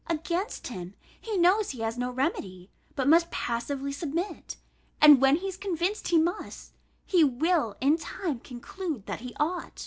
Against him, he knows he has no remedy, but must passively submit; and when he is convinced he must, he will in time conclude that he ought.